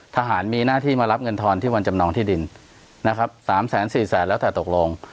ทหารมีหน้าที่มารับเงินทอนที่วันจำนองที่ดินนะครับ๓แสนสี่แสนแล้วแต่ตกลง